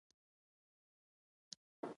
غول د بدن داخلي حالت څرګندوي.